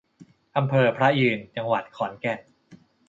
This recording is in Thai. อำเภอพระยืน จังหวัดขอนแก่น